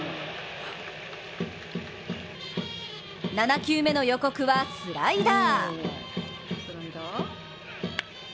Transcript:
７球目の予告はスライダー。